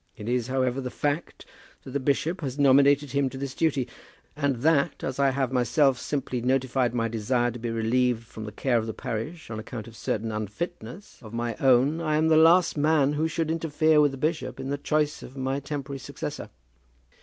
It is, however, the fact that the bishop has nominated him to this duty; and that, as I have myself simply notified my desire to be relieved from the care of the parish, on account of certain unfitness of my own, I am the last man who should interfere with the bishop in the choice of my temporary successor."